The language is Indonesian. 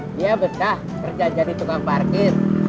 dia betah kerja jadi tukang parkir